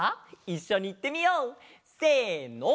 いっしょにいってみよう！せの。